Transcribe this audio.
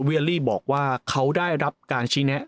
ลี่บอกว่าเขาได้รับการชี้แนะ